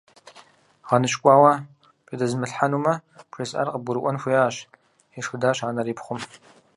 ГъэныщкӀуауэ бжьэдэзмылъхьэнумэ, бжесӀар къыбгурыӀуэн хуеящ, – ешхыдащ анэр и пхъум.